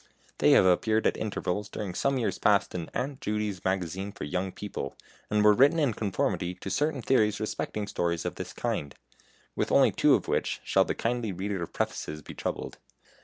They have appeared at intervals during some years past in "AUNT JUDY'S MAGAZINE FOR YOUNG PEOPLE," and were written in conformity to certain theories respecting stories of this kind, with only two of which shall the kindly reader of prefaces be troubled.